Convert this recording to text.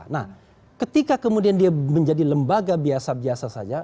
nah ketika kemudian dia menjadi lembaga biasa biasa saja